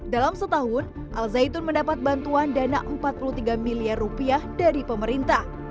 dalam setahun al zaitun mendapat bantuan dana empat puluh tiga miliar rupiah dari pemerintah